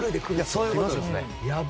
そういうことですね。